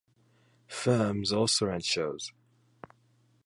Firms also rent shows.